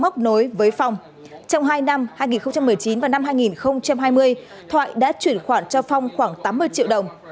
trong hai năm hai nghìn một mươi chín và năm hai nghìn hai mươi thoại đã chuyển khoản cho phong khoảng tám mươi triệu đồng